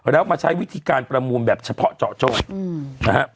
แล้วมาใช้วิธีการประมูลแบบเฉพาะเจาะจงนะครับ